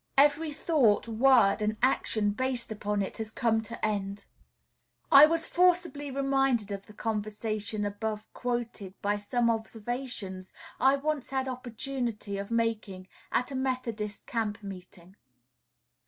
Every thought, word, and action based upon it has come to end. I was forcibly reminded of the conversation above quoted by some observations I once had opportunity of making at a Methodist camp meeting.